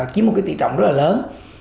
kiếm một tỷ trọng rất lớn